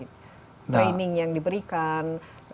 training yang diberikan